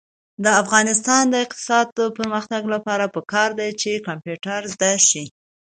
د افغانستان د اقتصادي پرمختګ لپاره پکار ده چې کمپیوټر زده شي.